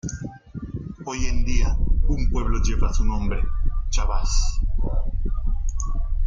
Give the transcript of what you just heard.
Hoy en día un pueblo lleva su nombre, Chabás.